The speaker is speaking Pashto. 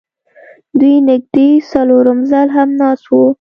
دوی نږدې څلورم ځل هم ناست وو